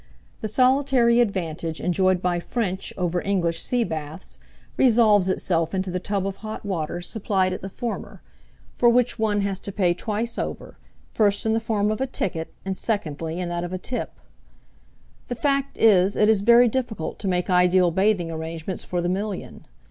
The solitary advantage enjoyed by French over English sea baths resolves itself into the tub of hot water supplied at the former, for which one has to pay twice over, first in the form of a ticket and secondly in that of a tip. The fact is it is very difficult to make ideal bathing arrangements for the million.